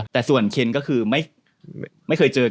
แต่ส่วนเคนก็คือไม่เคยเจอ